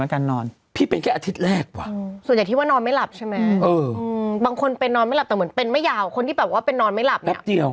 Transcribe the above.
คนที่แบบว่าเป็นนอนไม่หลับเนี่ยแป๊บเดียว